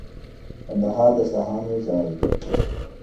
کندهار د شاهانو ځای دی.